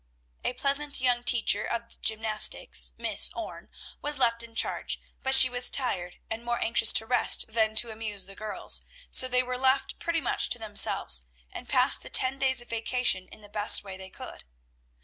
A pleasant young teacher of gymnastics, Miss Orne, was left in charge, but she was tired, and more anxious to rest than to amuse the girls, so they were left pretty much to themselves, and passed the ten days of vacation in the best way they could.